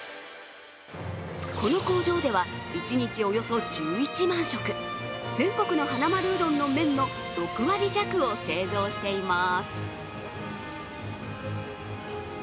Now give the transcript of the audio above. この工場では一日およそ１１万食、全国の、はなまるうどんの麺の６割弱を製造しています。